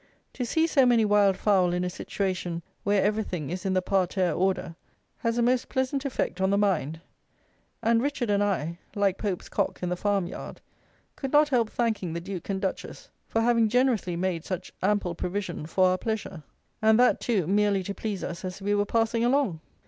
To see so many wild fowl in a situation where everything is in the parterre order has a most pleasant effect on the mind; and Richard and I, like Pope's cock in the farmyard, could not help thanking the Duke and Duchess for having generously made such ample provision for our pleasure, and that, too, merely to please us as we were passing along.